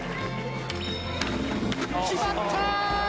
決まったー！